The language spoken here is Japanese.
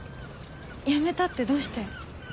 辞めたってどうして？